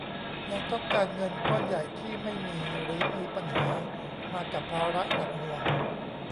ยังต้องการเงินก้อนใหญ่ที่ไม่มี หรือมีปัญหามากับภาระหนักหน่วง